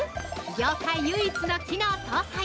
業界唯一の機能搭載！